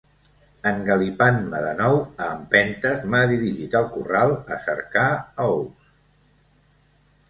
Engalipant-me de nou, a empentes m'ha dirigit al corral a cercar ous.